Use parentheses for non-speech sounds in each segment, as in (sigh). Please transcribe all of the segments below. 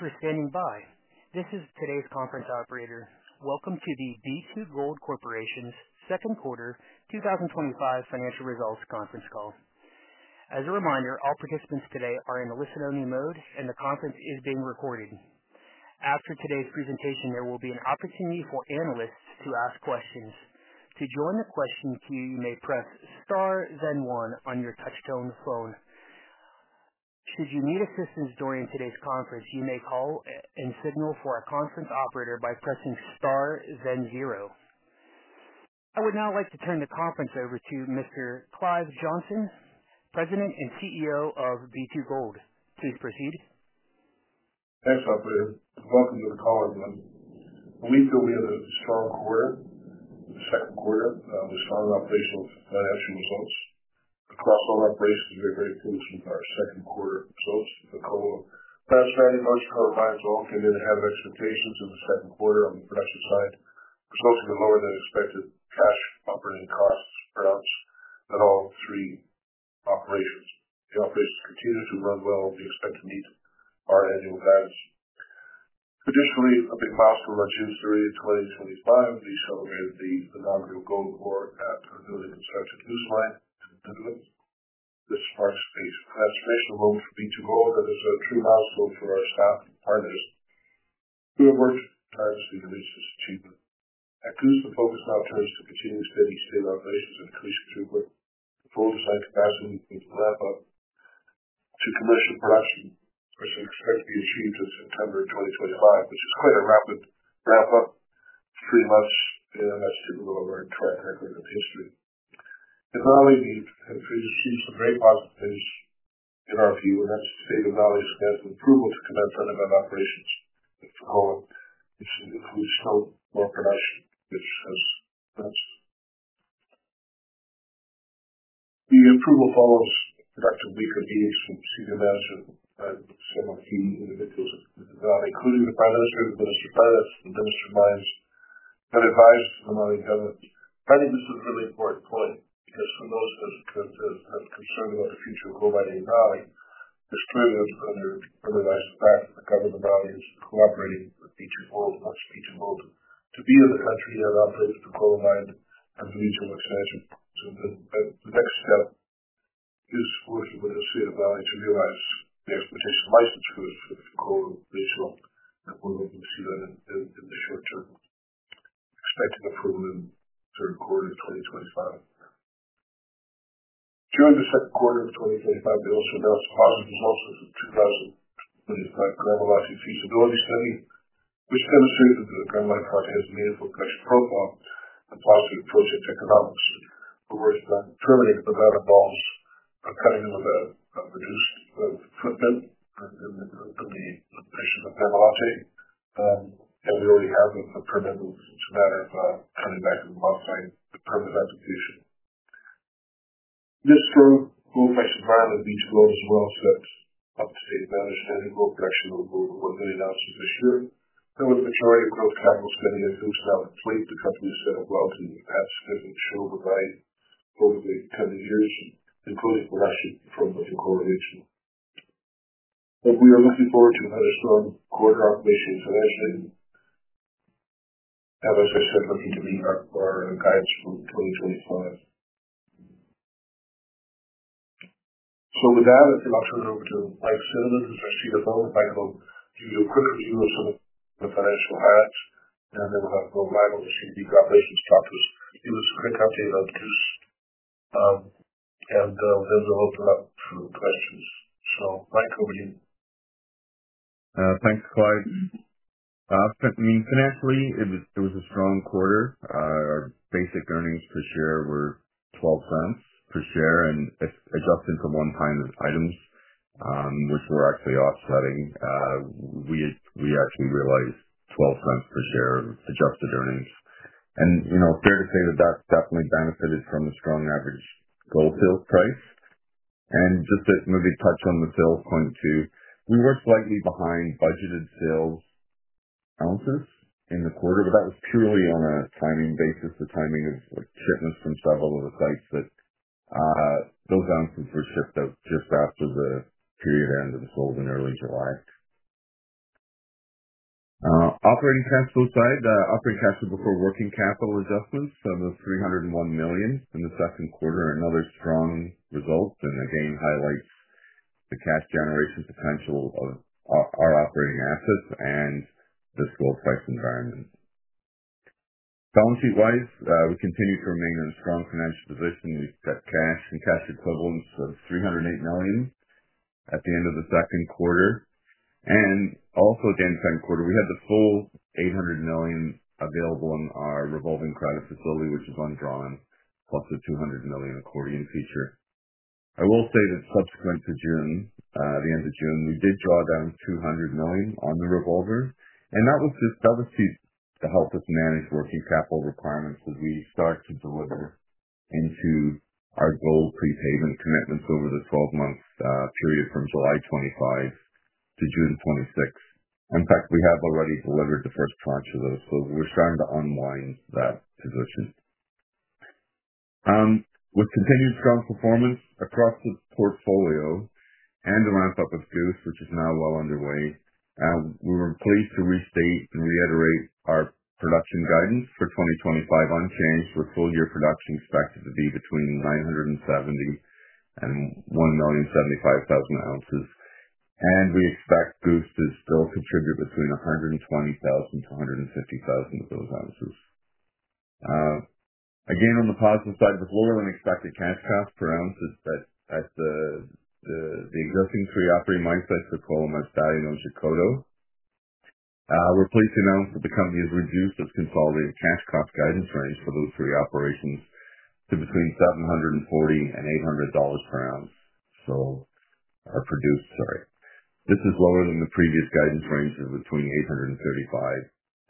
Thank you for standing by. This is today's conference operator. Welcome to the B2Gold Corporation's Second Quarter 2025 Financial Results Conference Call. As a reminder, all participants today are in listen-only mode, and the conference is being recorded. After today's presentation, there will be an opportunity for analysts to ask questions. To join the question queue, you may press star then one on your touch-tone phone. Should you need assistance joining today's conference, you may call and signal for a conference operator by pressing star then zero. I would now like to turn the conference over to Mr. Clive Johnson, President and CEO of B2Gold. Please proceed. Thanks, operator. And welcome to the call again. We feel we had a strong quarter. The second quarter, we saw a lot of favorable financial results. I put all my praise to (audio distortion) second quarter results. (audio distortion) didn't have expectations in the second quarter on the production side. We're looking at lower than expected tax operating costs throughout the operation. The operating continues to run well with the expected needs of our annual value. Additionally, (audio distortion) 2025, we saw the amount of growth for our cash. (audio distortion) It's hard to face. That's great for both B2Gold as it's a (audio distortion) partners. We have worked (audio distortion) and research treatment. Since we focused on our plans to continue studying and staying up late, and please do give full attention to that when you see some wrap-up. We commence the production of the expected to be achieved in September 2025, which is quite a rapid wrap-up. Pretty much, yeah, that's (audio distortion) history. The following [weeks] have seen increased rate opportunities in our view, and I say the [value] that's approval to the benefit of our operation. (audio distortion) The approval follow-up production lease (audio distortion) I think this is a really important point. Just for those that understand about the piece of global value, (audio distortion) cooperating with B2Gold. That's B2Gold. To be in the country that operates the coal mine and. (audio distortion) During the second quarter of 2025, we also have the opportunity to help with the notice of two challenges in the cycle. Nevertheless, we see stability starting. It's an understanding that the MI project has been here for the past 12 months and part of its project. (audio distortion) (audio distortion) and we already have (audio distortion) rate happens to have a repetition. This through (audio distortion) (audio distortion) over the next 10 years, including production. (audio distortion) As we are looking forward (audio distortion) financing. Like I said, (audio distortion) our guide through 2025. With that, I'd like to now turn it over to Mike Cinnamond. He's a. (audio distortion) He'll quickly do a financial ad, and then we'll have. (audio distortion) Mike, over to you. Thanks, Clive. I mean, financially, it was a strong quarter. Our basic earnings per share were 0.12 per share, and adjusting for one kind of items, which were actually offsetting, we actually realized 0.12 per share of adjusted earnings. You know, fair to say that that's definitely benefited from the strong average gold sales price. Just to maybe touch on the sales point too, we were slightly behind budgeted sales ounces in the quarter, but that was purely on a timing basis. The timing of shipments from several of the sites, those ounces were shipped out just after the period end in early July. On the operating cash flow side, the operating cash flow before working capital adjustments was 301 million in the second quarter, another strong result. Again, highlights the cash generation potential of our operating assets and the sales price environment. Balance sheet-wise, we continue to remain in a strong financial position. We've got cash and cash equivalents of 308 million at the end of the second quarter. Also, at the end of the second quarter, we had the full 800 million available in our revolving credit facility, which is undrawn, plus the 200 million accordion feature. I will say that subsequent to the end of June, we did draw down 200 million on the revolver. That was to help us manage working capital requirements as we start to deliver into our gold clean haven commitments over the 12-month period from July 2025 to June 2026. In fact, we have already delivered the first tranche of those. We're trying to unwind that position. With continued strong performance across the portfolio and a ramp-up of Goose, which is now well underway, we were pleased to restate and reiterate our production guidance for 2025 unchanged, with full-year production expected to be between 970,000 oz and 1,075,000 oz. We expect Goose to still contribute between 120,000 oz-150,000 oz of those ounces. Again, on the positive side, with lower than expected cash cost per ounce as the existing three operating mine sites, Fekola, Masbate, and Otjikoto, we're pleased to announce that the company has reduced its consolidated cash cost guidance range for those three operations to between 740 and 800 dollars per oz. This is lower than the previous guidance range of between 835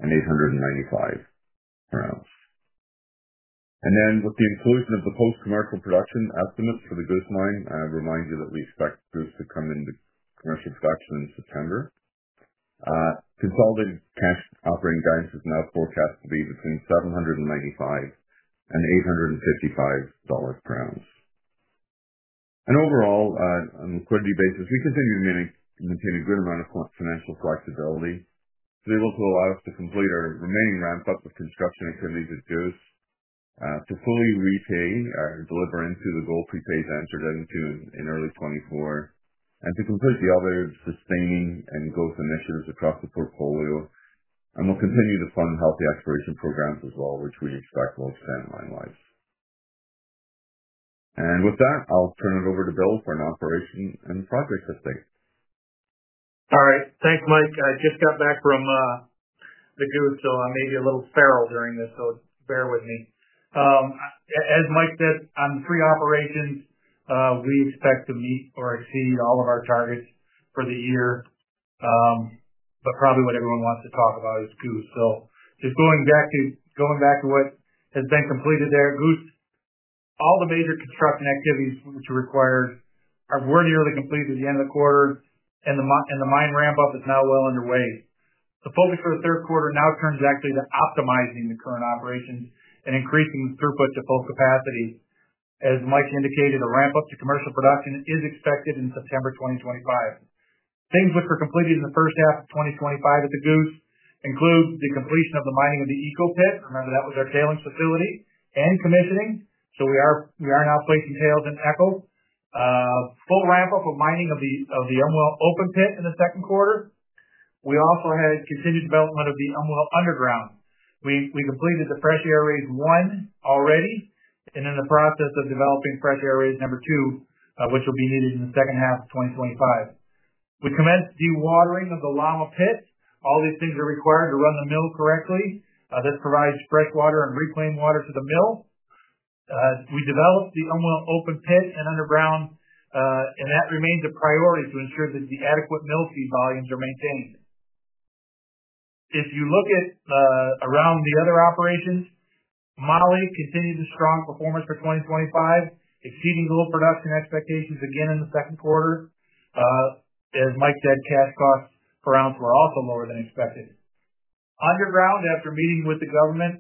and 895 per oz. With the employment of the post-commercial production estimates for the Goose Mine, I remind you that we expect Goose to come into commercial production in September. Consolidated cash operating guidance is now forecast to be between 795 and CAD 855 per oz. Overall, on a liquidity basis, we continue to maintain a good amount of financial flexibility. We look a lot to complete our remaining ramp-up of construction activities at Goose, to fully repay our deliverance of the Gold Prepay to enter into in early 2024, and to complete the elevated sustaining and growth initiatives across the portfolio. We will continue to fund healthy aspiration programs as well, which we expect will extend line-wise. With that, I'll turn it over to Bill for an operation and project update. All right. Thanks, Mike. I just got back from the Goose, so I may be a little sparrow during this, so bear with me. As Mike said, on the three operations, we expect to meet or exceed all of our targets for the year. Probably what everyone wants to talk about is Goose. Just going back to what has been completed there, Goose, all the major construction activities which are required were nearly completed at the end of the quarter, and the mine ramp-up is now well underway. The focus for the third quarter now turns actually to optimizing the current operations and increasing the throughput to full capacity. As Mike indicated, the ramp-up to commercial production is expected in September 2025. Things which were completed in the first half of 2025 at the Goose include the completion of the mining of the Echo Pit. Remember, that was our tailings facility and commissioning. We are now placing tails in Echo. Full ramp-up of mining of the Umwelt Open Pit in the second quarter. We also had continued development of the Umwelt Underground. We completed the Fresh Air Raise 1 already and are in the process of developing Fresh Air Raise Number 2, which will be needed in the second half of 2025. We commenced dewatering of the Llama Pit. All these things are required to run the mill correctly. This provides fresh water and reclaimed water to the mill. We developed the Umwelt Open Pit and Underground, and that remains a priority to ensure that the adequate mill feed volumes are maintained. If you look at around the other operations, Mali continued the strong performance for 2025, exceeding gold production expectations again in the second quarter. As Mike said, cash costs per ounce were also lower than expected. Underground, after meeting with the government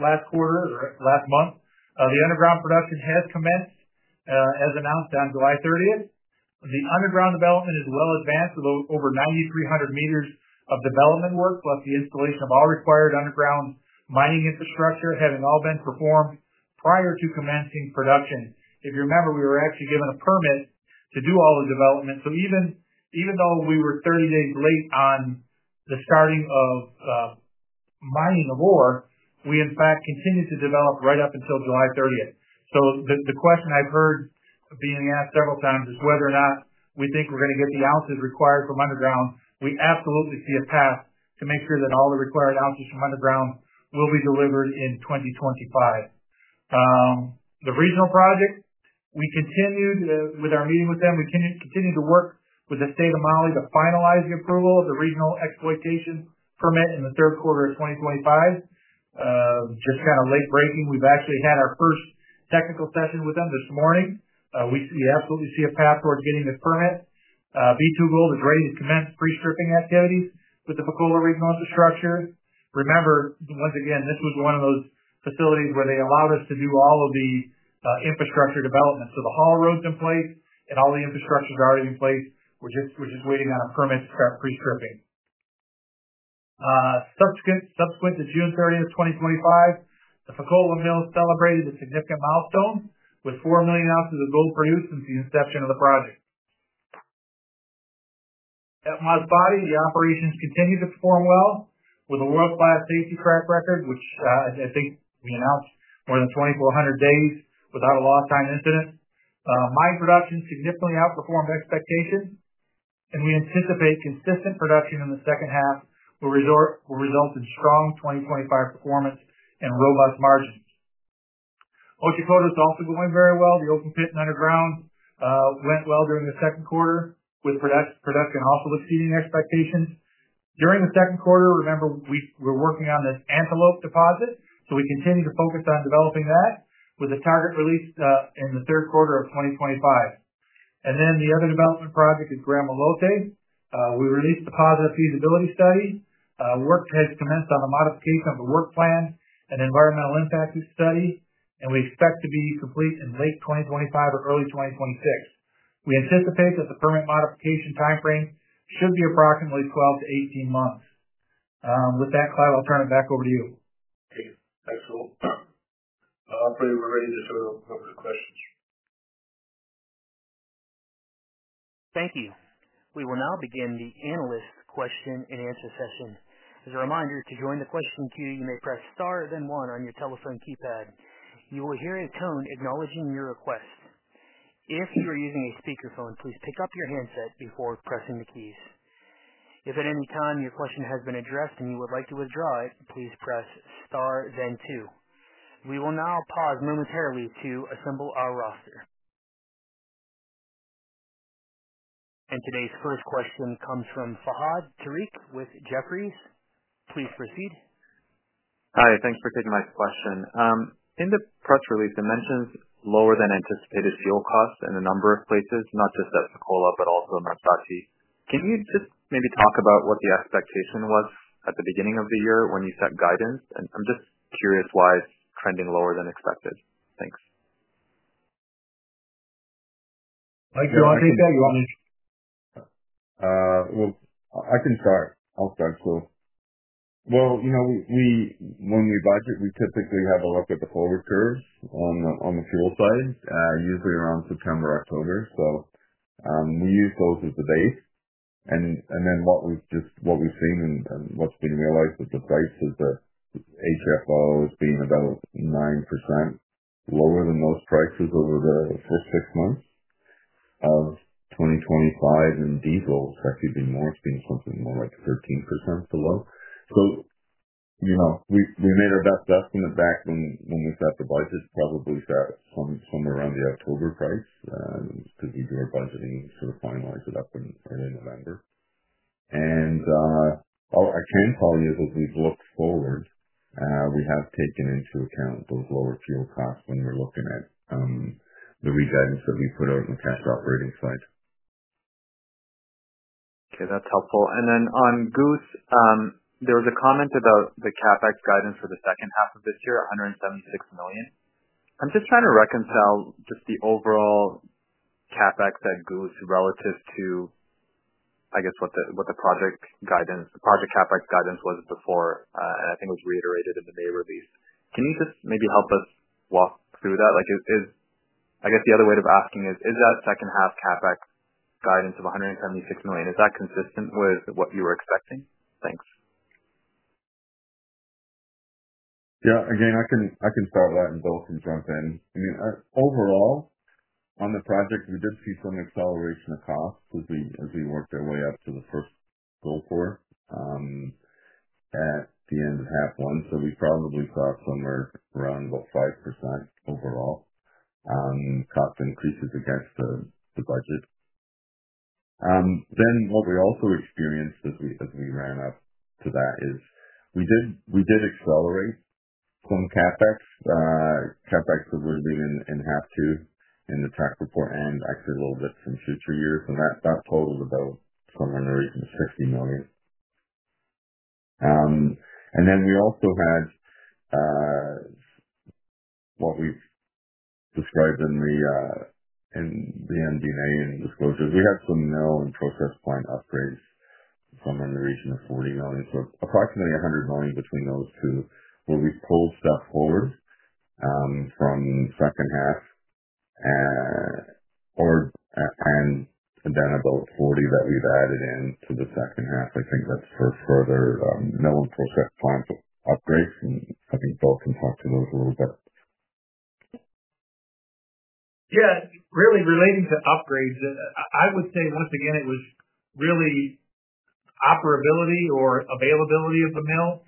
last quarter or last month, the underground production has commenced, as announced on July 30. The underground development is well advanced with over 9,300 m of development work, plus the installation of all required underground mining infrastructure having all been performed prior to commencing production. If you remember, we were actually given a permit to do all the development. Even though we were 30 days late on the starting of mining of ore, we, in fact, continued to develop right up until July 30th. The question I've heard being asked several times is whether or not we think we're going to get the ounces required from underground. We absolutely see a path to make sure that all the required ounces from underground will be delivered in 2025. The regional project, we continued with our meeting with them. We continue to work with the State of Mali to finalize the approval of the regional exploitation permit in the third quarter of 2025. Just kind of late-breaking. We've actually had our first technical session with them this morning. We absolutely see a path toward getting this permit. B2Gold is ready to commence pre-stripping activities with the Fekola regional infrastructure. Remember, once again, this was one of those facilities where they allowed us to do all of the infrastructure development. So the haul roads in place and all the infrastructure is already in place. We're just waiting on a permit pre-stripping. Subsequent to June 30th, 2025, the Fekola mill celebrated a significant milestone with 4 million oz of gold produced since the inception of the project. At Masbate, the operations continue to perform well with a world-class safety track record, which I think we announced more than 2,400 days without a lost-time incident. Mine production significantly outperformed expectations, and we anticipate consistent production in the second half will result in strong 2025 performance and robust margins. Otjikoto is also going very well. The open pit and underground went well during the second quarter with production also exceeding expectations. During the second quarter, remember, we're working on this Antelope deposit, so we continue to focus on developing that with the target release in the third quarter of 2025. The other development project is Gramalote. We released the positive feasibility studies. Work has commenced on the modification of the work plan and environmental impact study, and we expect to be complete in late 2025 or early 2026. We anticipate that the current modification timeframe should be approximately 12 months-18 months. With that, Clive, I'll turn it back over to you. Thanks, Bill. Operator we're ready to answer the questions. Thank you. We will now begin the analyst question and answer session. As a reminder, to join the question queue, you may press star then one on your telephone keypad. You will hear a tone acknowledging your request. If you're using a speakerphone, please pick up your handset before pressing the keys. If at any time your question has been addressed and you would like to withdraw it, please press star then two. We will now pause momentarily to assemble our roster. Today's first question comes from Fahad Tariq with Jefferies. Please proceed. Hi. Thanks for taking my question. In the press release, it mentions lower than anticipated fuel cost in a number of places, not just at Fekola, but also in Masbate. Can you just maybe talk about what the expectation was at the beginning of the year when you set guidance? I'm just curious why it's trending lower than expected. Thanks. Mike, do you want to take that? Do you want me to? I'll start. When we budget, we typically have a look at the forward curve on the fuel price, usually around September, October. We use those as the base. What we've seen and what's been realized is the price of the HFO is about 9% lower than most prices over the first six months of 2025, and diesel's actually been more, seeing something more like 13% below. We made our best guessing at that back when we set the budget, probably set somewhere around the October price because we were budgeting to finalize it up in early November. Our change policy is as we've looked forward, we have taken into account those lower fuel costs when we're looking at the re-guidance that we put out in the cash operating side. Yeah, that's helpful. On Goose, there was a comment about the CapEx guidance for the second half of this year, 176 million. I'm just trying to reconcile the overall CapEx at Goose relative to what the project guidance, the project CapEx guidance was before, and I think it was reiterated in the May release. Can you just maybe help us walk through that? I guess the other way of asking is, is that second-half CapEx guidance of 176 million consistent with what you were expecting? Thanks. Yeah. I can start with that and Bill can jump in. I mean, overall, on the projects, we did see some acceleration of costs as we worked our way up to the first goal quarter at the end of half one. We probably saw somewhere around about 5% overall cost increases against the budget. What we also experienced as we ran up to that is we did accelerate some CapEx. CapEx that we're doing in half two in the track report and actually a little bit in future years. That totaled about somewhere around CAD 60 million. We also had, what we've described in the NDA and disclosures, some mill and process plant upgrades somewhere in the region of 40 million. So approximately 100 million between those two, where we pulled stuff forward from the second half, and then about 40 million that we've added into the second half, I think. A little bit. Yeah. Really, relating to upgrades, I would say once again, it was really operability or availability of the mill.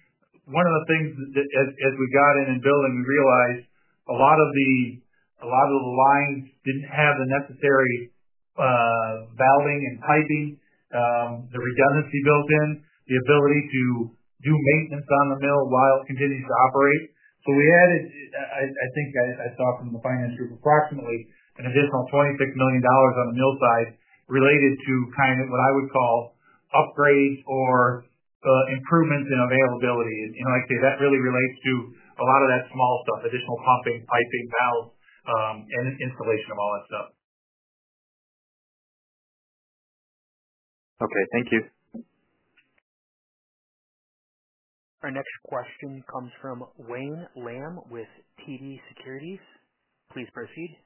One of the things that as we got in and built and we realized a lot of the lines didn't have the necessary valving and piping, the redundancy built in, the ability to do maintenance on the mill while it continues to operate. We added, I think I saw from the finance group, approximately an additional 26 million dollars on the mill side related to what I would call upgrades or improvements in availability. I'd say that really relates to a lot of that small stuff, additional pumping, piping, valves, and installation of all that stuff. Okay, thank you. Our next question comes from Wayne Lam with TD Securities. Please proceed.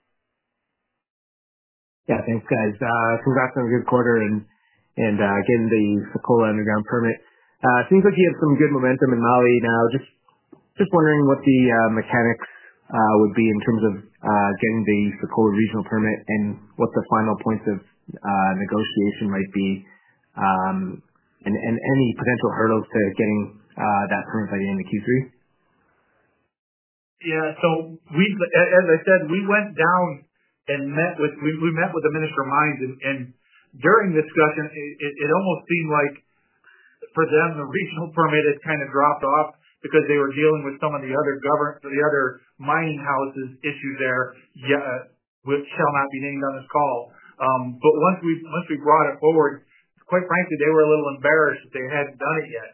Yeah. Thanks, guys. We've got some good quarter in and getting the Fekola Underground permit. It seems like you have some good momentum in Mali now. Just wondering what the mechanics would be in terms of getting the Fekola regional permit and what the final points of negotiation might be. Any potential hurdles to getting that permit by the end of Q3? Yeah. As I said, we went down and met with the Minister of Mines. During the discussion, it almost seemed like for them, the regional permit has kind of dropped off because they were dealing with some of the other government, the other mining houses issued there, which shall not be named on this call. Once we brought it forward, quite frankly, they were a little embarrassed that they hadn't done it yet.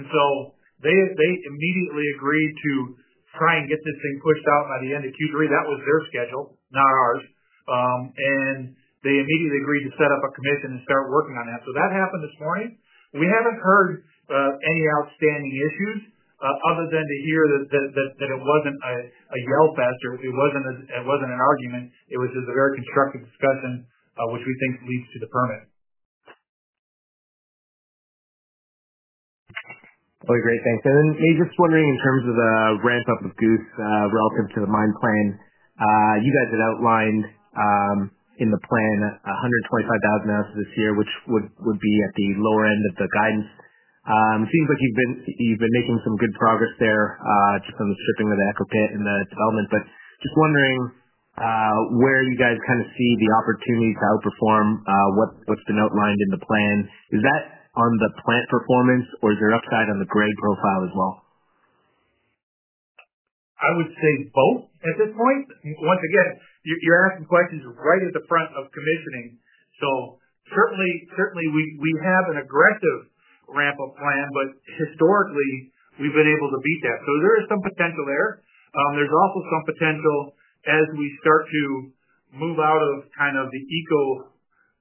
They immediately agreed to try and get this thing pushed out by the end of Q3. That was their schedule, not ours, and they immediately agreed to set up a commission and start working on that. That happened this morning. We haven't heard any outstanding issues, other than to hear that it wasn't a yell fest or an argument. It was just a very constructive discussion, which we think leads to the permit. Okay great. Thanks. Just wondering in terms of the ramp-up of Goose relative to the mine plan, you guys had outlined in the plan 125,000 oz this year, which would be at the lower end of the guidance. It seems like you've been making some good progress there, just on the stripping of the Echo Pit and the development. Just wondering where you guys kind of see the opportunity to outperform, what's been outlined in the plan. Is that on the plant performance or is there upside on the grade profile as well? I would say both at this point. Once again, you're asking questions right at the front of commissioning. Certainly, we have an aggressive ramp-up plan, but historically, we've been able to beat that. There is some potential there. There's also some potential as we start to move out of kind of the eco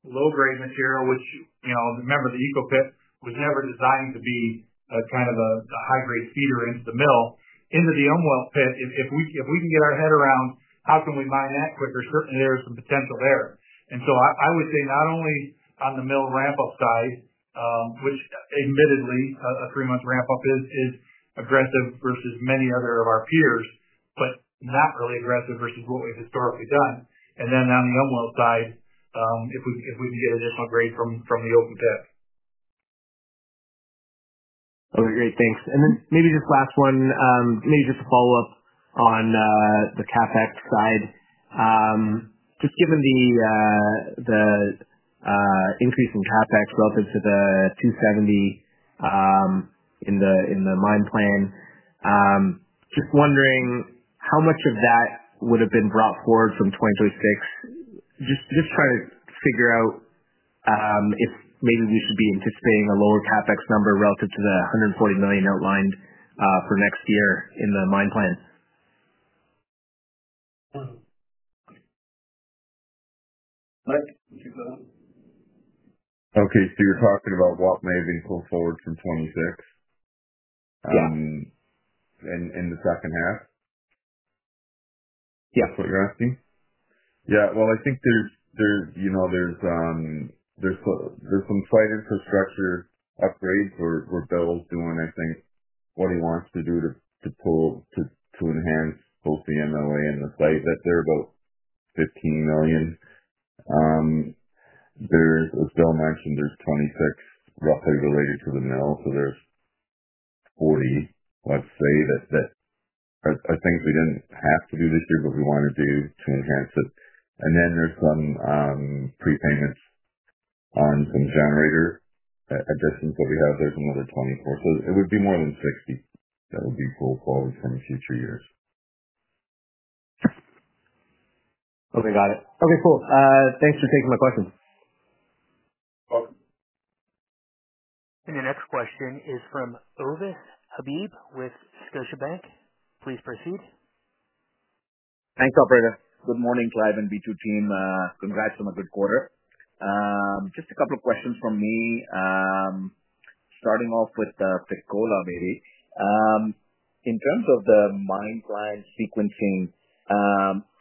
low-grade material, which, you know, remember, the Echo Pit was never designed to be a kind of a high-grade feeder into the mill. Into the Umwelt Pit, if we can get our head around how we can mine that quicker, certainly there is some potential there. I would say not only on the mill ramp-up side, which admittedly a three-month ramp-up is aggressive versus many other of our peers, but not really aggressive versus what we've historically done. On the Umwelt side, if we can get additional grade from the open pit. That was great. Thanks. Maybe just a follow-up on the CapEx side. Just given the increase in CapEx relative to the CAD 270 million in the mine plan, just wondering how much of that would have been brought forward from 2026. Just trying to figure out if maybe we should be anticipating a lower CapEx number relative to the 140 million outlined for next year in the mine plan. Okay. You're talking about what may have been pulled forward from 2026 in the second half? Is that what you're asking? Yeah. I think there's some site infrastructure upgrades where Bill's doing what he wants to do to enhance both the MLA and the site. That's about 15 million. As Bill mentioned, there's 26 million roughly related to the mill. So there's 40 million, let's say, that are things we didn't have to do this year, but we want to do to enhance it. Then there's some pre-payments on some generator additions that we have. There's another 24 million. It would be more than 60 million that would be pulled forward from a future year. Okay. Got it. Okay. Cool. Thanks for taking my questions. The next question is from Ovais Habib with Scotiabank. Please proceed. Thanks, operator. Good morning, Clive and B2 team. Congrats on a good quarter. Just a couple of questions from me. Starting off with Fekola, maybe. In terms of the mine plan sequencing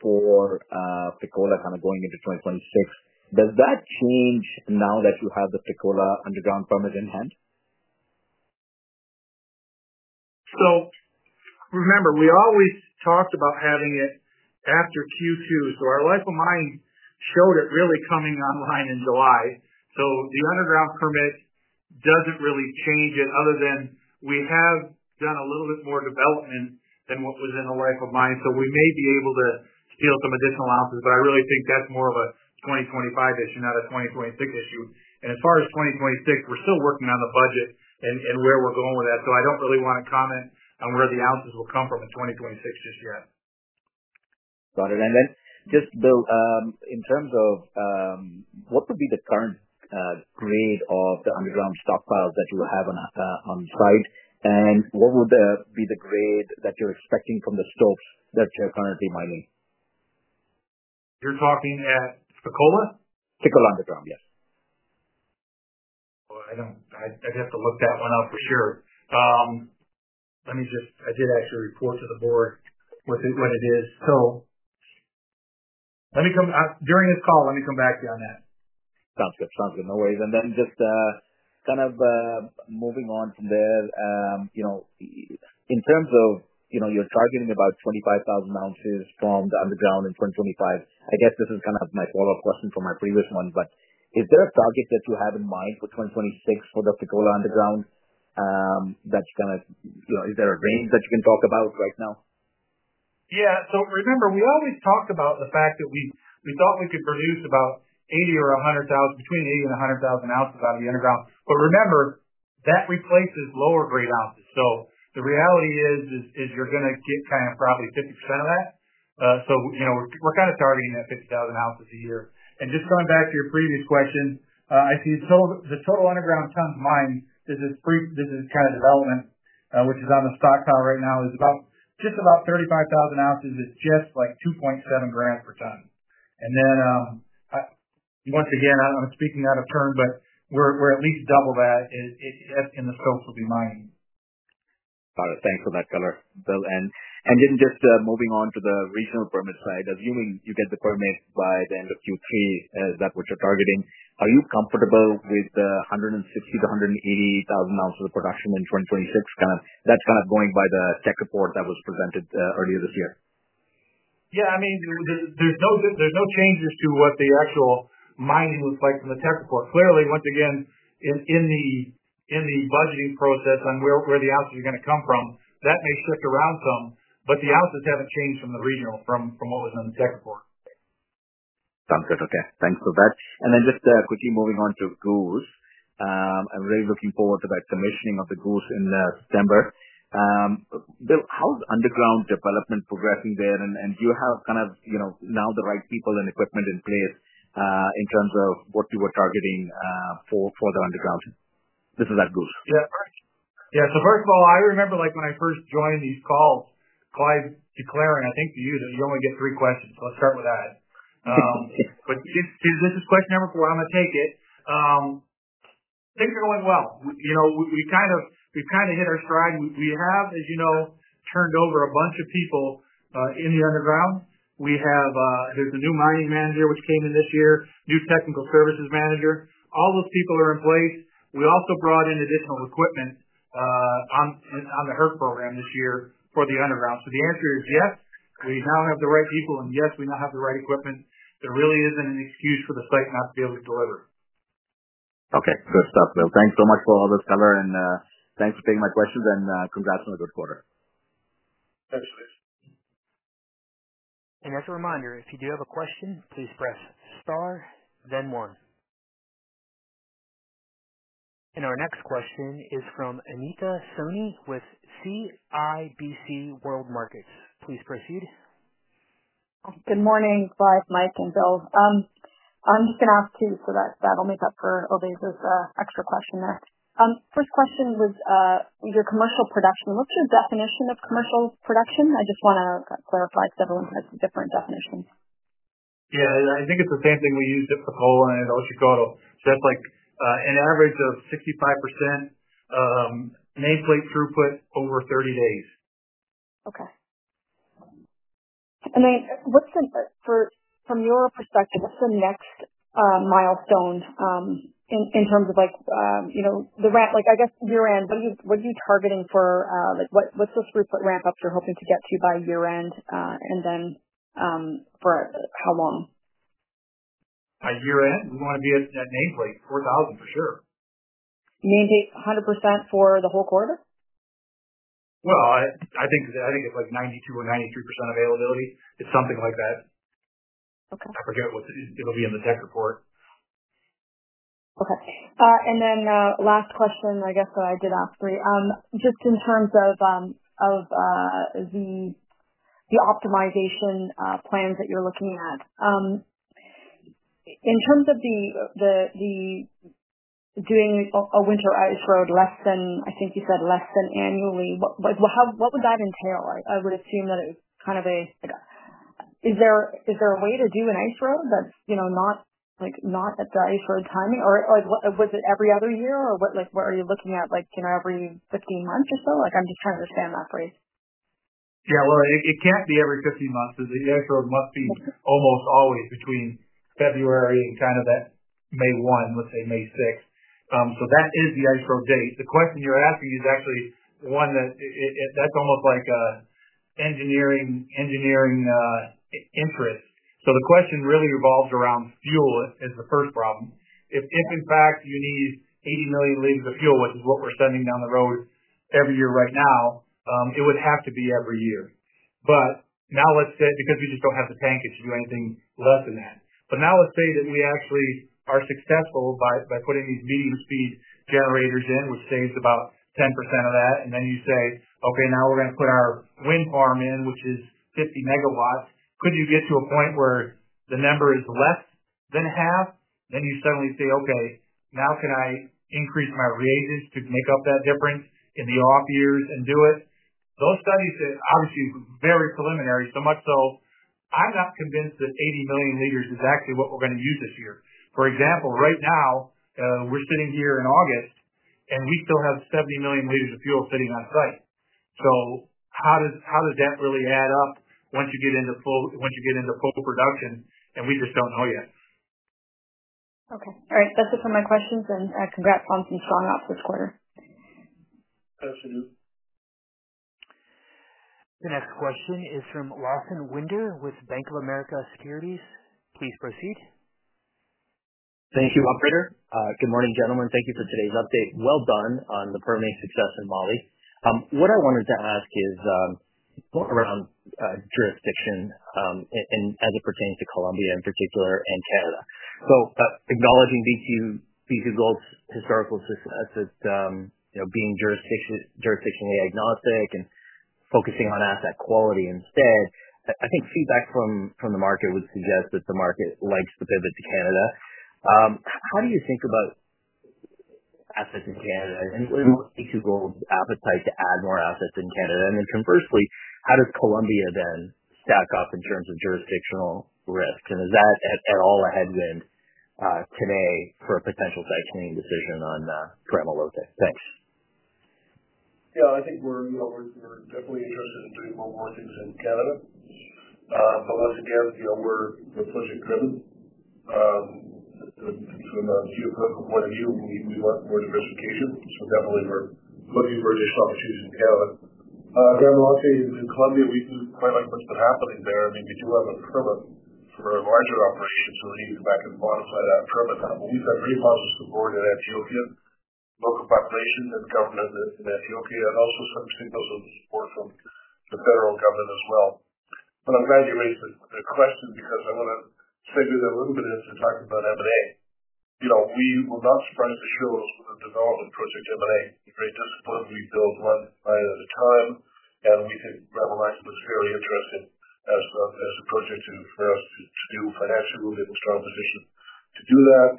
for Fekola going into 2026, does that change now that you have the Fekola Underground permit in hand? Remember, we always talked about having it after Q2. Our [echo] mine showed it really coming online in July. The Underground permit doesn't really change it other than we have done a little bit more development than what was in [our Echo] mine. We may be able to steal some additional ounces, but I really think that's more of a 2025 issue, not a 2026 issue. As far as 2026, we're still working on the budget and where we're going with that. I don't really want to comment on where the ounces will come from in 2026 this year. Got it. Bill, in terms of what would be the current grade of the underground stockpiles that you will have on site, what would be the grade that you're expecting from the stopes that you're currently mining? You're talking at Fekola? Fekola Underground, yes. I don't, I'd have to look that one up for sure. I did actually report to the board what it is. Let me come back during this call. Let me come back to you on that. Sounds good. No worries. Just moving on from there, in terms of, you know, you're targeting about 25,000 oz from the underground in 2025. I guess this is kind of my follow-up question from my previous one, but is there a target that you have in mind for 2026 for the Fekola Underground? Is there a range that you can talk about right now? Yeah. Remember, we always talked about the fact that we thought we could produce about 80,000 or 100,000, between 80,000 and 100,000 oz out of the underground. Remember, that replaces lower grade ounces. The reality is you're going to get kind of probably 50% of that, so you know, we're kind of targeting that 50,000 oz a year. Just going back to your previous question, I see the total underground tons mined through this kind of development, which is on the stockpile right now, is just about 35,000 oz. It's just like 2.7 g/ton. Once again, I'm speaking out of turn, but we're at least double that in the stopes we'll be mining. Got it. Thanks for that color, Bill. Just moving on to the regional permit side, assuming you get the permit by the end of Q3, is that what you're targeting? Are you comfortable with the 160,000 oz-180,000 oz of production in 2026? That's kind of going by the tech report that was presented earlier this year. Yeah. I mean, there's no changes to what the actual mining looks like from the tech report. Clearly, once again, in the budgeting process on where the ounces are going to come from, that may stick around some, but the ounces haven't changed from the regional from what was in the tech report. Sounds good. Okay. Thanks for that. Just quickly moving on to Goose. I'm really looking forward to that commissioning of the Goose in September. Bill, how's underground development progressing there? Do you have kind of, you know, now the right people and equipment in place, in terms of what you were targeting for the underground? This is at Goose. Yeah. Yeah. First of all, I remember when I first joined these calls, Clive declaring, I think to you, that we only get three questions. Let's start with that. Since this is question number four, I'm going to take it. Things are going well. We kind of hit our stride. We have, as you know, turned over a bunch of people in the underground. There's a new mining manager which came in this year, new Technical Services Manager. All those people are in place. We also brought in additional equipment on the HERC program this year for the underground. The answer is yes. We now have the right people, and yes, we now have the right equipment. There really isn't an excuse for the site not to be able to deliver. Okay. Good stuff, Bill. Thanks so much for all this color. Thanks for taking my questions, and congrats on a good quarter. Thanks, guys. As a reminder, if you do have a question, please press star then one. Our next question is from Anita Soni with CIBC Capital Markets. Please proceed. Good morning, Clive, Mike, and Bill. I'm just going to ask two, so that will make up for Ovais's extra question there. First question was, your commercial production. What's your definition of commercial production? I just want to clarify because everyone has a different definition. Yeah. I think it's the same thing we used at Fekola and Otjikoto. That's like, an average of 65% [mill plate] throughput over 30 days. Okay. From your perspective, what's the next milestone in terms of the ramp? I guess year-end. What are you targeting for? What are the throughput ramp-ups you're hoping to get to by year-end, and for how long? By year-end, we want to be at that nail plate 4,000 for sure. You mean be 100% for the whole quarter? I think it's like 92% or 93% availability. It's something like that. Okay, I forget what it'll be in the tech report. Okay, and then last question, I guess, that I did ask for you. Just in terms of the optimization plans that you're looking at, in terms of the doing a winter ice road less than, I think you said, less than annually, what would that entail? I would assume that it's kind of a, is there a way to do an ice road that's, you know, not like not at the ice road timing? Or like was it every other year? Or what, like what are you looking at? Like in every 15 months or so? Like I'm just trying to understand that phrase. It can't be every 15 months. The ice road must be almost always between February and kind of that May 1, let's say May 6. That is the ice road date. The question you're asking is actually one that's almost like an engineering interest. The question really revolves around fuel as the first problem. If, in fact, you need 80 million L of fuel, which is what we're sending down the road every year right now, it would have to be every year. We just don't have the tankage to do anything less than that. Let's say that we actually are successful by putting these medium-speed generators in, which saves about 10% of that. Then you say, "Okay, now we're going to put our wind farm in, which is 50 MW." Could you get to a point where the number is less than half? You suddenly say, "Okay, now can I increase my raises to make up that difference in the off years and do it?" Those studies are obviously very preliminary, so much so I'm not convinced that 80 million liters is actually what we're going to use this year. For example, right now, we're sitting here in August, and we still have 70 million liters of fuel sitting on site. How does that really add up once you get into full production? We just don't know yet. Okay. All right. That's it for my questions, and congrats on some strong operations this quarter. Thanks, Anita. The next question is from Lawson Winder with Bank of America Securities. Please proceed. Thank you, operator. Good morning, gentlemen. Thank you for today's update. Well done on the permit success in Mali. What I wanted to ask is, going around the jurisdiction, and as it pertains to Colombia in particular and Canada. Acknowledging B2Gold's historical success at, you know, being jurisdictionally agnostic and focusing on asset quality instead, I think feedback from the market would suggest that the market likes to pivot to Canada. How do you think about assets in Canada? What's B2Gold's appetite to add more assets in Canada? Conversely, how does Colombia then stack up in terms of jurisdictional risk? Does that start a headwind today for a potential site-changing decision on Gramalote? Thanks. Yeah. I think we always are definitely interested in Gramalote in Canada. Once again, we're project-driven. From a theoretical point of view, we want more of those stages. Definitely, we're putting various options in Canada. Gramalote is in Colombia, we see quite a bit happening there. I mean, we do have a permit for a larger opportunity to lease back and modify that permit. We've got three houses to board in Ethiopia, local population and government in Ethiopia, and also some signals from the federal government as well. I'm going to raise the question because I want to segue that a little bit as you talked about M&A. We will not fund fuel development projects M&A. It's just one of these build one line at a time. We think Gramalote would carry a production as well as the project to start new financial movement and start positioning. To do that,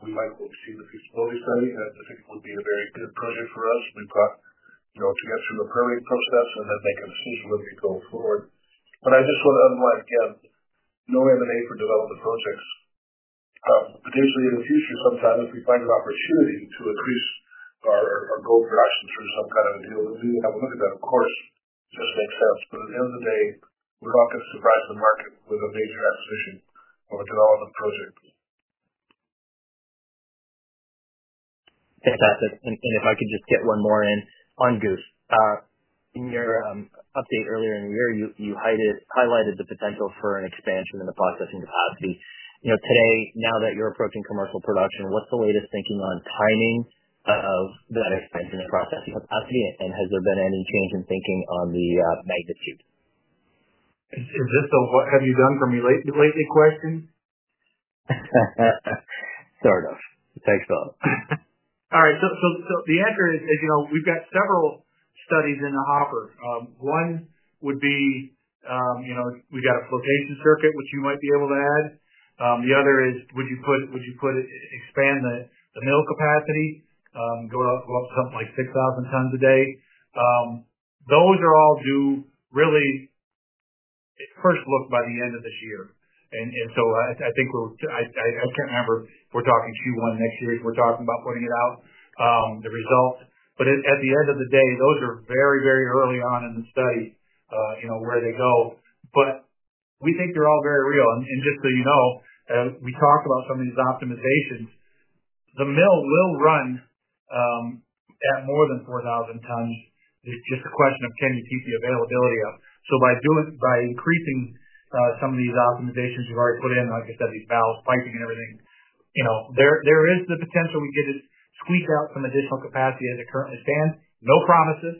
we might oversee the feasibility economy. I think it would be a very good project for us. We've got to get through the permitting process and that they can see where they can go forward. I just want to underline, again, no M&A for development projects. Particularly in the future, sometimes if we find an opportunity to increase our goals, we should have kind of a deal. We need to have a look at that part. That makes sense. At the end of the day, we're not going to surprise them with a base estimation for development project. Thanks. If I could just get one more in on Goose. In your update earlier in the year, you highlighted the potential for an expansion in the processing capacity. Today, now that you're approaching commercial production, what's the latest thinking on timing of that expansion in the processing capacity? Has there been any change in thinking on the magnitude? Is this a what have you done for me lately question? Sorry, guys. Thanks a lot. All right. The answer is, as you know, we've got several studies in the hopper. One would be, you know, we've got a flotation circuit, which you might be able to add. The other is, would you expand the mill capacity, go up to something like 6,000 tons a day. Those are all due really at first look by the end of this year. I think we're, I can't remember if we're talking Q1 next year, if we're talking about putting out the results. At the end of the day, those are very, very early on in the study, you know, where they go. We think they're all very real. Just so you know, we talked about some of these optimizations. The mill will run at more than 4,000 tons. It's just a question of can you keep the availability up? By increasing some of these optimizations we've already put in, like I said, these valves, piping, and everything, there is the potential we get to squeeze out some additional capacity as it currently stands. No promises.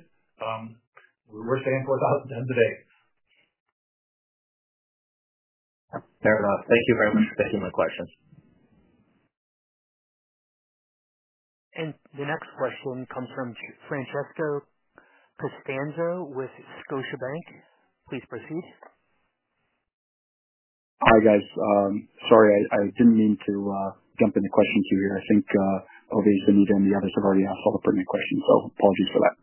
We're saying 4,000 tons a day. Fair enough. Thank you very much for taking my questions. The next question comes from Francesco Costanzo with Scotiabank. Please proceed. Hi, guys. Sorry, I didn't mean to jump into questions here. I think Ovais, Benito, and the others could already answer all the pertinent questions, so apologies for that.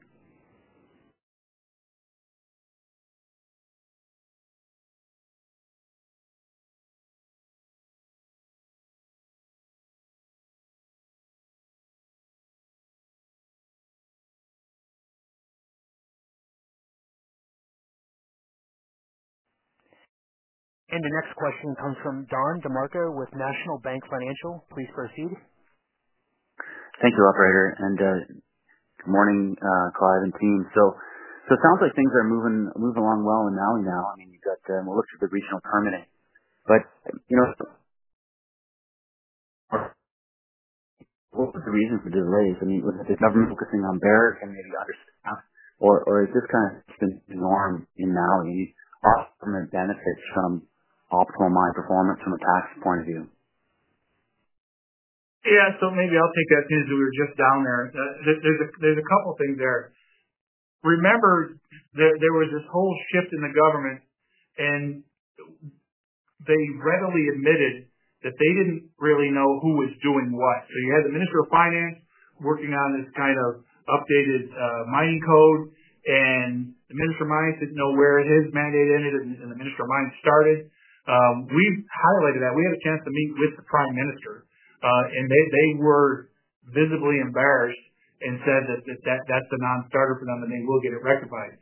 The next question comes from Don DeMarco with National Bank Financial. Please proceed. Thank you, operator. Good morning, Clive and team. It sounds like things are moving along well in Mali now. You've got the, it looks like the regional permit. You know. What was the reason for delay? I mean, was the government focusing on [Bearer]? Can they do other stuff? Is this kind of just a norm in Mali? Are permanent benefits from optimal mine performance from a tax point of view? Yeah. Maybe I'll take that since we were just down there. There's a couple of things there. Remember, there was this whole shift in the government, and they readily admitted that they didn't really know who was doing what. You had the Minister of Finance working on this kind of updated mining code, and the Minister of Mines didn't know where his mandate ended and the Minister of Mines started. We've highlighted that. We had a chance to meet with the Prime Minister, and they were visibly embarrassed and said that's a non-starter for them, and they will get it rectified.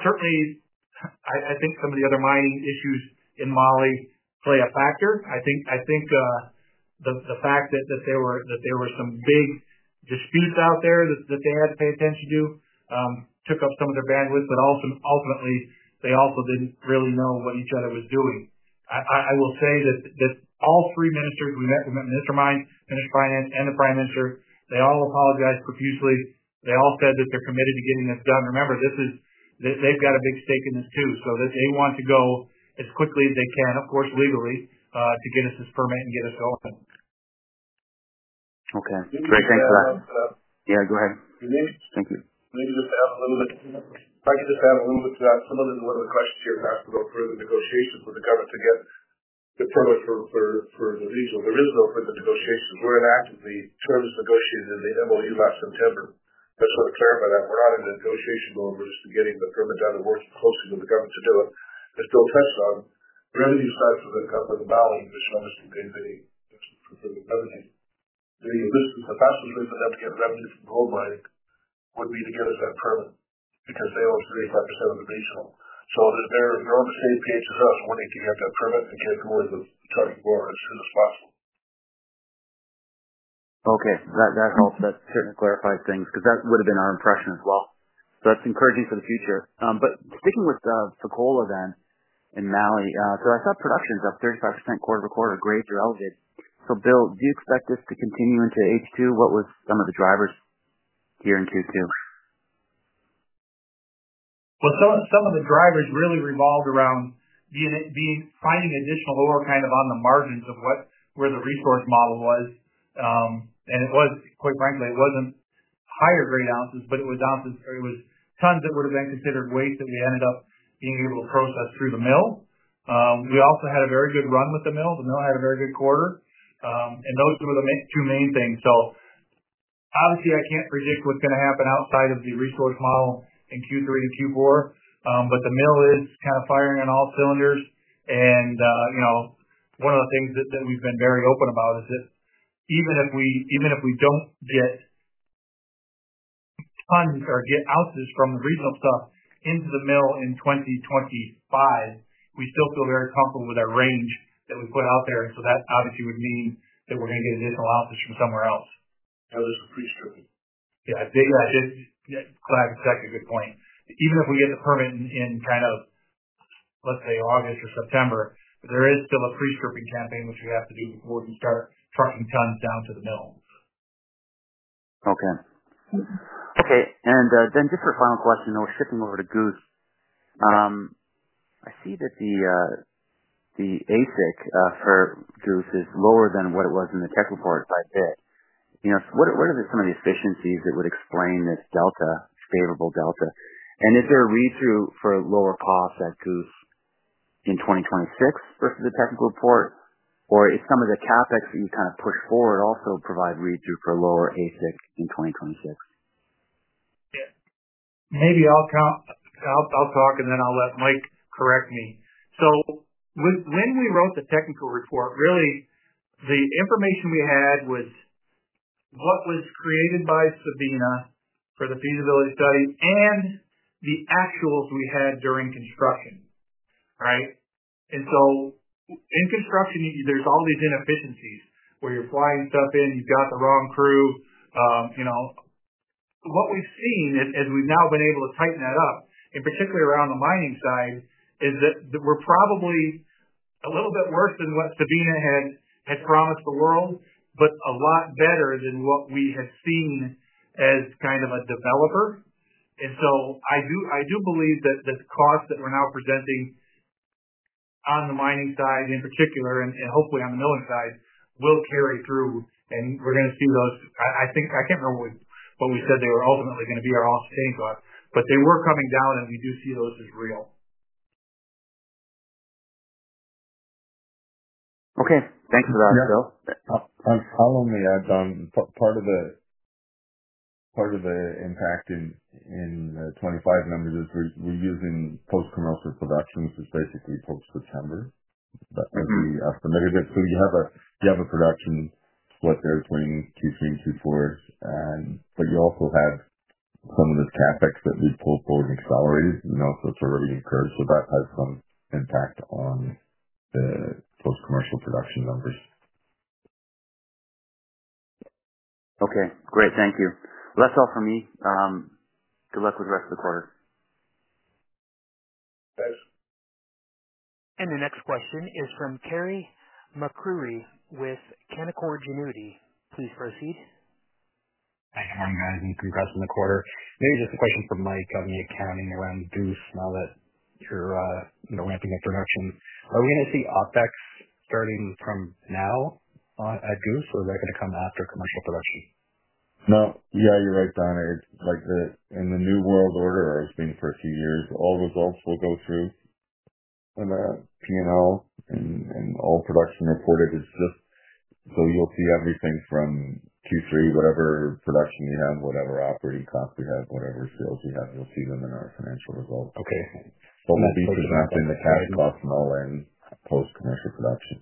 Certainly, I think some of the other mining issues in Mali play a factor. I think the fact that there were some big disputes out there that they had to pay attention to took up some of their bandwidth, but ultimately, they also didn't really know what each other was doing. I will say that all three ministers we met, we met Minister of Mines, Minister of Finance, and the Prime Minister, they all apologized profusely. They all said that they're committed to getting this done. Remember, they've got a big stake in this too. They want to go as quickly as they can, of course, legally, to get us this permit and get us going. Okay, great. Thanks for that. Yeah, go ahead. And then. Thank you. Maybe just add a little bit, if I could just add a little bit to that, some of the questions here passed without further negotiation for the government to get the permit for the vehicles. There is no further negotiation. We're inactive in terms of negotiating in the MOU last September. That clarified that we're not in negotiation mode with getting the permit done and hoping for the government to do it. During these times when the government balances and other things, the revenues, the capacity for them to get revenues from the gold mines would be to get us that permit because they own 35% of the vehicle. They're on the same page as us. I want to get that permit and get going with 2024 as soon as possible. Okay. That helps. That certainly clarifies things because that would have been our impression as well. That's encouraging for the future. Sticking with Fekola then in Mali, I saw production's up 35% quarter to quarter. Grades are elevated. Bill, do you expect this to continue into H2? What were some of the drivers here in Q2? Some of the drivers really revolved around finding additional or kind of on the margins of where the resource model was. It wasn't higher grade ounces, but it was ounces, or it was tons that would have been considered waste that we ended up being able to process through the mill. We also had a very good run with the mill. The mill had a very good quarter, and those were the two main things. Obviously, I can't predict what's going to happen outside of the resource model in Q3 and Q4, but the mill is kind of firing on all cylinders. One of the things that we've been very open about is that even if we don't get tons or get ouncs from the regional stuff into the mill in 2025, we still feel very comfortable with our range that we put out there. That obviously would mean that we're going to get additional ounces from somewhere else. Now, that's a pre-scripting. Yeah, I figured I didn't. Yeah, Clive, it's exactly a good point. Even if we get a permit in, let's say, August or September, there is still a pre-stripping campaign which we have to do before we start charging tons down to the mill. Okay. Okay. Just for a final question, though, shifting over to Goose. I see that the AISC for Goose is lower than what it was in the tech report by a bit. You know, what are some of the efficiencies that would explain this delta, favorable delta? Is there a read-through for lower costs at Goose in 2026 versus the technical report? Is some of the CapEx that you kind of push forward also provide read-through for lower [AISCs] in 2026? Yeah. Maybe I'll talk, and then I'll let Mike correct me. When we wrote the technical report, really, the information we had was what was created by Sabina for the feasibility study and the actuals we had during construction, right? In construction, there are all these inefficiencies where you're flying stuff in, you've got the wrong crew. What we've seen as we've now been able to tighten that up, and particularly around the mining side, is that we're probably a little bit worse than what Sabina had promised the world, but a lot better than what we had seen as kind of a developer. I do believe that the costs that we're now presenting on the mining side in particular, and hopefully on the milling side, will carry through. We're going to see those. I think I can't remember what we said they were ultimately going to be, our off-chain costs, but they were coming down, and we do see those as real. Okay, thanks for that, Bill. I'm following the ads on part of the impact in the [2025] number that we're using post-commercial production, which is basically [post-September]. That would be estimated. You have a production, what, there between Q3 and Q4, and you also have some of this CapEx that we pull forward and accelerate. Also, it's already occurred. That has some impact on the post-commercial production numbers. Okay. Great. Thank you. That's all for me. Good luck with the rest of the quarter. Thanks. The next question is from Carey MacRury with Canaccord Genuityp. Please proceed. Congrats on the quarter. Maybe just a question for Mike on the accounting around Goose now that you're ramping up production. Are we going to see OpEx starting from now on at Goose, or is that going to come after commercial production? No. Yeah, you're right, Donnie. In the new world order, I think for a few years, all results will go through the P&L and all production reported. It's just so you'll see everything from Q3, whatever production you have, whatever operating costs you have, whatever sales you have, you'll see them in our financial results. Okay. We will be subtracting the cash costs and all-in post-commercial production.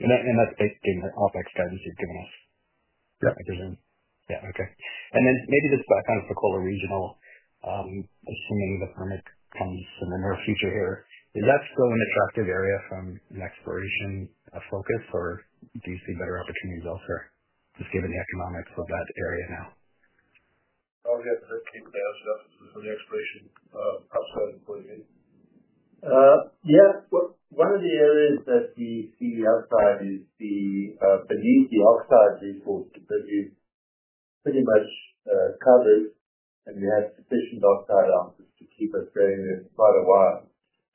Is that based on the OpEx charges you've given us? Correct. I presume? Yeah. Okay. Maybe just kind of Fekola regional, just seeing the permit on the slimmer future here. Is that still an attractive area from an exploration focus, or do you see better opportunities elsewhere, just given the economics of that area now? I'll have to hear to see the gas stuff on the exploration upside, believe it. Yeah. One of the areas that the [CES] side is the [benign deoxide] resource that we've pretty much started, and we have sufficient oxide on to keep us going quite a while.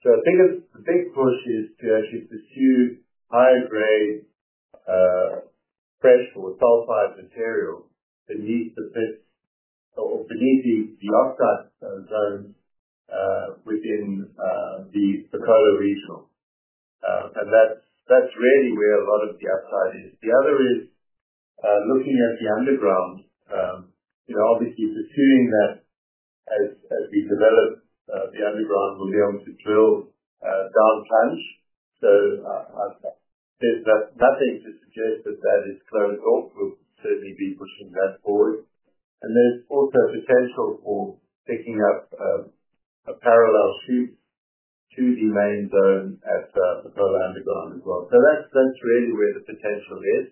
I think the big push is to actually pursue higher grade, fresh or [sulfide material] beneath the off-cut zone, within the Fekola regional. That's really where a lot of the upside is. The other is looking at the underground, you know, obviously pursuing that as we develop the underground, we'll be able to drill, dark trench. There's nothing to suggest that that is clinical. We'll certainly be pushing that forward. There's also a potential for picking up a parallel to the main zone as the underground as well. That's really where the potential is.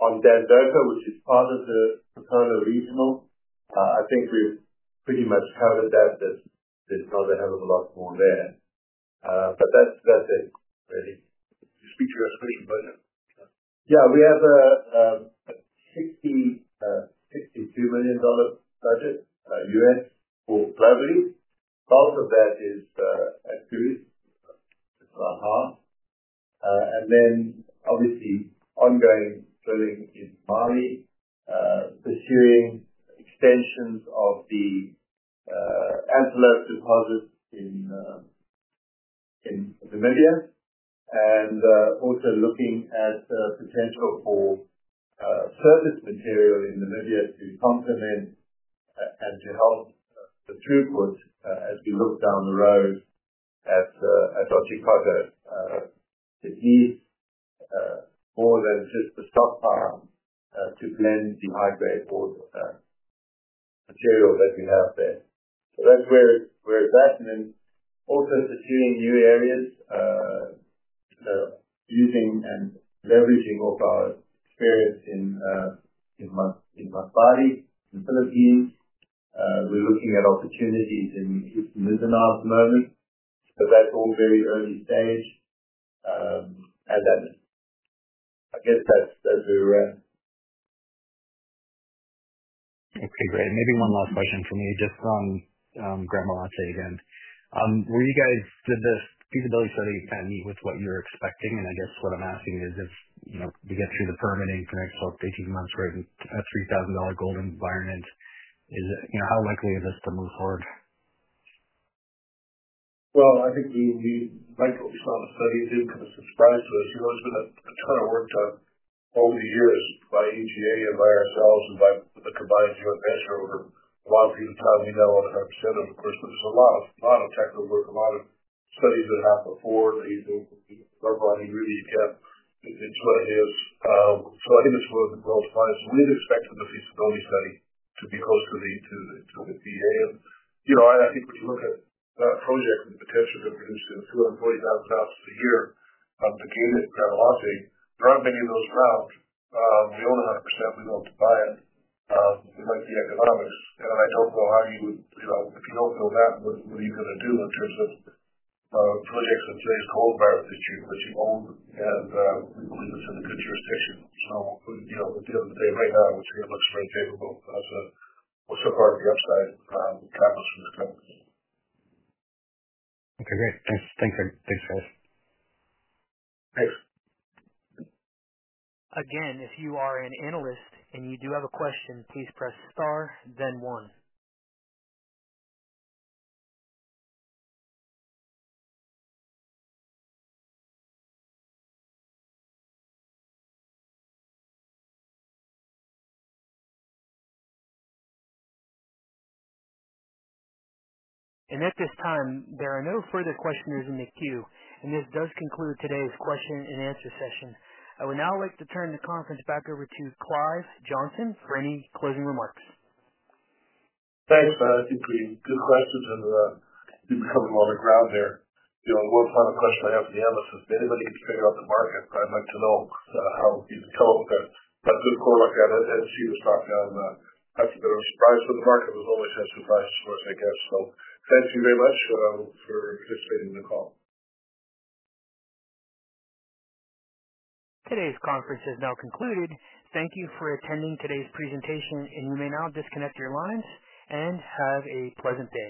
On [the Echo], which is part of the Fekola regional, I think we pretty much have a depth that's probably held a lot more there, but that's it, really. Can you speak to us, please, about that? Yeah. We have a $62 million budget, U.S., for collaboratives. Half of that is at Goose. It's about half, and then obviously, ongoing drilling is high, pursuing extensions of the Antelope deposits in Namibia. Also looking at the potential for surface material in Namibia to complement, and to help the throughput, as we look down the road at Otjikoto to use more than just the stockpile, to blend the high-grade material that we have there. That's where it's at. Also pursuing new areas, using and leveraging our experience in Masbate, the Philippines. We're looking at opportunities in New Zealand at the moment, but that's all very early stage. That's where we're at. Okay. Great. Maybe one last question from me, just on Gramalote again. Were you guys, did the feasibility study kind of meet with what you're expecting? I guess what I'm asking is, if you get through the permitting for the next 12 months-18 months for a 3,000 dollar gold environment, how likely is this to move forward? I think the microscopic studies are going to subscribe to us. We're not going to have a ton of work done. All we need to do is buy ETA and buy ourselves and buy the supplies you want to pay for. A lot of people probably know what I'm going to have to send them. There's a lot of technical work, a lot of studies that happen forward. They're using the localized ingredients that. (audio distortion) I think it's worth it for our clients. We (audio distortion) to be hopefully to the DA. You know, I think if you look at how we get the potential to produce the 240,000 oz a year on the gate at Gramalote, there aren't many. (audio distortion) You're only going to have to say if we don't buy it. Like the economist, you know, I don't know how you would, you know, help fill that. What are you going to do in terms of projects that, (audio distortion) which you own, and (audio distortion) Okay. Great. Thank you. Thanks, guys. Thanks. Again, if you are an analyst and you do have a question, please press star then one. At this time, there are no further questioners in the queue. This does conclude today's question and answer session. I would now like to turn the conference back over to Clive Johnson for any closing remarks. Thanks, Clive. Since we did a question and we covered a lot of ground there, one final question I have for the analysts, if anybody is figuring out the market, I'd like to know how these gold (audio distortion) I said the price of the market was only tied to price to work, I guess. Thank you very much for participating in the call. Today's conference is now concluded. Thank you for attending today's presentation, and you may now disconnect your line and have a pleasant day.